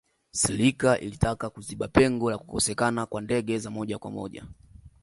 serika ilitaka kuziba pengo la kukosekana kwa ndege za moja kwa moja